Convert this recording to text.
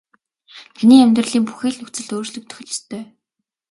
Таны амьдралын бүхий л нөхцөл өөрчлөгдөх л ёстой.